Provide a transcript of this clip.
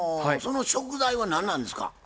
その食材は何なんですか？